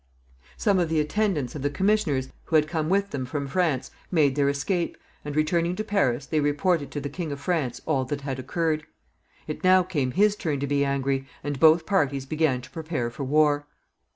Some of the attendants of the commissioners, who had come with them from France, made their escape, and, returning to Paris, they reported to the King of France all that had occurred. It now came his turn to be angry, and both parties began to prepare for war.